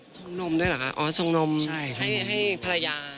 ชงนมด้วยเหรอคะอ๋อชงนมให้ภรรยา